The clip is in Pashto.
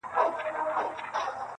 خدای بېشکه مهربان او نګهبان دی -